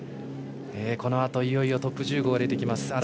このあと、いよいよトップ１５が出てきます。